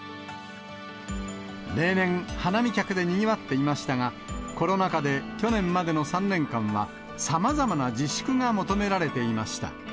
例年、花見客でにぎわっていましたが、コロナ禍で去年までの３年間は、さまざまな自粛が求められていました。